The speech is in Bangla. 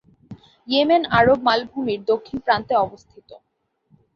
ইয়েমেন আরব মালভূমির দক্ষিণ প্রান্তে অবস্থিত।